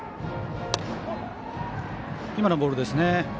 今のボールですね。